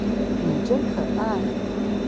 你真可愛